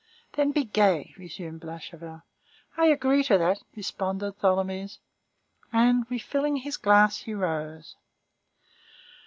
"Then be gay," resumed Blachevelle. "I agree to that," responded Tholomyès. And, refilling his glass, he rose.